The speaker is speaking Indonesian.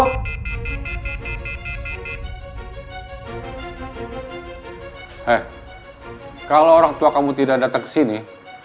eh kalau orang tua kamu tidak datang ke sini